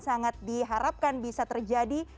sangat diharapkan bisa terjadi